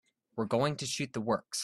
We're going to shoot the works.